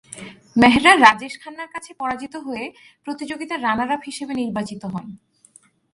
মেহরা রাজেশ খান্নার কাছে পরাজিত হয়ে প্রতিযোগিতার রানার আপ হিসেবে নির্বাচিত হন।